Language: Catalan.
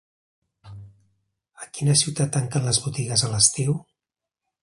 A quina ciutat tanquen les botigues a l'estiu?